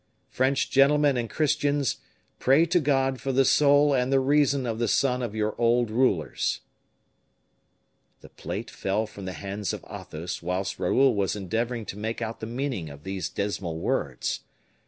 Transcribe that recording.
French gentlemen and Christians, pray to God for the soul and the reason of the son of your old rulers_." The plate fell from the hands of Athos whilst Raoul was endeavoring to make out the meaning of these dismal words.